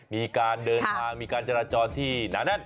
มีการเดินทางมีการจราจรที่หนาแน่น